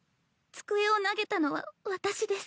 机を投げたのは私です。